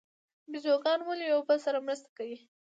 بیزوګان ولې یو بل سره مرسته کوي؟